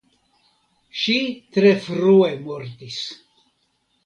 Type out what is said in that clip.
Ŝi tre frue mortis.